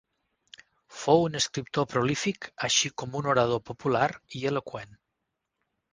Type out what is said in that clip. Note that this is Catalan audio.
Fou un escriptor prolífic, així com un orador popular i eloqüent.